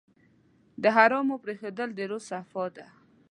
د حرامو پرېښودل د روح صفا ده.